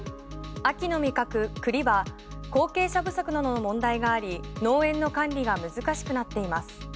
秋の味覚、栗は後継者不足などの問題があり農園の管理が難しくなっています。